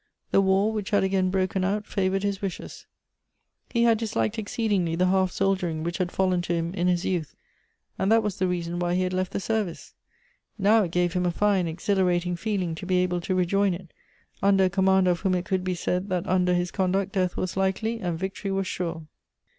The war, which had again broken out, favored his wishes : he had disliked exceedingly the half soldiering which had fallen to him in his youth, and that was the reason why he had left the sei vice. Now it gave him a fine exhilarating feeling to be able to rejoin it, under a commander of whom it could be said, that under his conduct death was likely, and victory was sure.